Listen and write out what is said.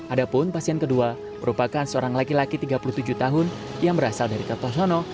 adapun pasien kedua merupakan seorang laki laki tiga puluh tujuh tahun yang berasal dari kertosono